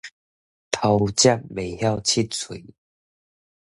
偷食袂曉拭喙